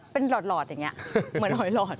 เป็นหลอดอย่างนี้เหมือนหอยหลอด